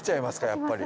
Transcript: やっぱり。